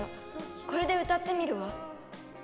これで歌ってみるわ。